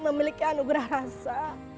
memiliki anugerah rasa